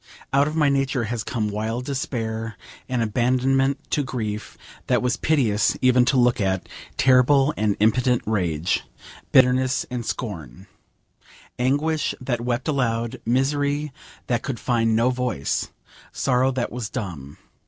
Out of my nature has come wild despair; an abandonment to grief that was piteous even to look at; terrible and impotent rage; bitterness and scorn; anguish that wept aloud; misery that could find no voice; sorrow that was dumb.